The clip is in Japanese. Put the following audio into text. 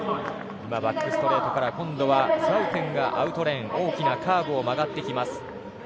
バックストレートから今度はスハウテンがアウトレーン大きなカーブを曲がっていきます。